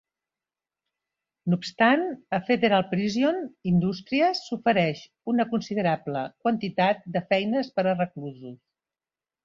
No obstant, a Federal Prison Industries s'ofereix una considerable quantitat de feines per a reclusos.